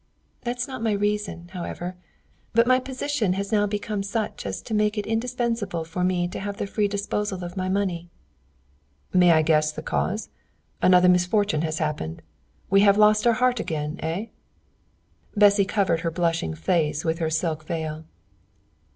"That's not my reason, however. But my position has now become such as to make it indispensable for me to have the free disposal of my money." "May I guess the cause? Another misfortune has happened. We have lost our heart again, eh?" Bessy covered her blushing face with her silk veil.